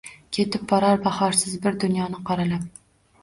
Ketib borar bahorsiz bir dunyoni qoralab.